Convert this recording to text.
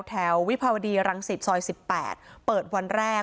แถววิภาวดีรังศิษย์ซอย๑๘เปิดวันแรก